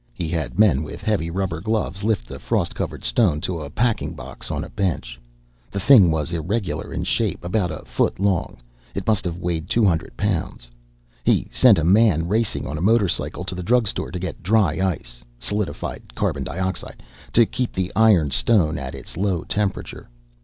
He had men with heavy rubber gloves lift the frost covered stone to a packing box on a bench. The thing was irregular in shape, about a foot long; it must have weighed two hundred pounds. He sent a man racing on a motorcycle to the drug store to get dry ice (solidified carbon dioxide) to keep the iron stone at its low temperature.